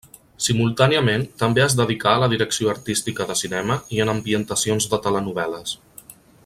Simultàniament també es dedicà a la direcció artística de cinema i en ambientacions de telenovel·les.